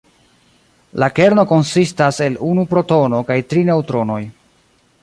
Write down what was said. La kerno konsistas el unu protono kaj tri neŭtronoj.